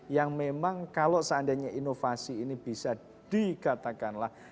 yang memang kalau seandainya inovasi ini bisa dikatakanlah